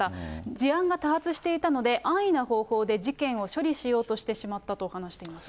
事案が多発していたので、安易な方法で事件を処理しようとしてしまったと話しています。